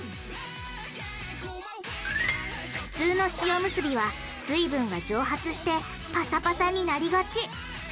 普通の塩むすびは水分が蒸発してパサパサになりがち。